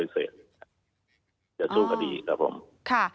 แล้วเขามีพฤติกรรมข่มขู่ผู้เสียหายังไงคะ